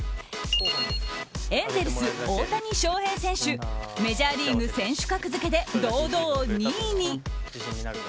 エンゼルス、大谷翔平選手メジャーリーグ選手格付けで堂々２位に。